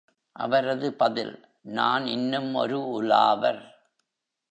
அவரது பதில்: நான் இன்னும் ஒரு உலாவர்.